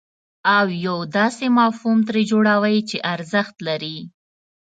او یو داسې مفهوم ترې جوړوئ چې ارزښت لري.